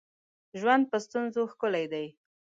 ژوند په ستونزو ښکلی دی